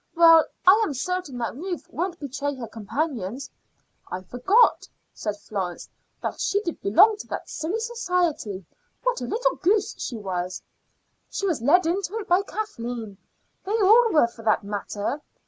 Well, I am certain that Ruth won't betray her companions." "I forgot," said Florence, "that she did belong to that silly society. What a little goose she was!" "She was led into it by Kathleen. They all were for that matter.